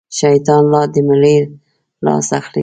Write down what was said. شيطان لا د مړي لاس اخلي.